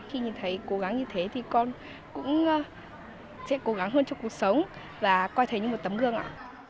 khi nhìn thấy cố gắng như thế thì con cũng sẽ cố gắng hơn cho cuộc sống và coi thế như một tấm gương ạ